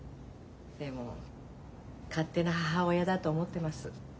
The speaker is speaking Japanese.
でも勝手な母親だと思ってます。